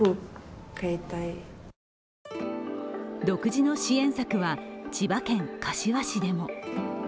独自の支援策は千葉県柏市でも。